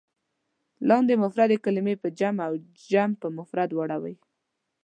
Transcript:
لاندې مفردې کلمې په جمع او جمع په مفرد راوړئ.